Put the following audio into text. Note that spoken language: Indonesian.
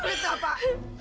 itu berita bapak